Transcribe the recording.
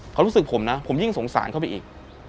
เขารู้สึกผมนะผมยิ่งสงสารเข้าไปอีก